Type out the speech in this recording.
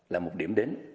là một điểm đến